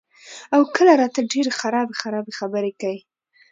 او کله راته ډېرې خرابې خرابې خبرې کئ " ـ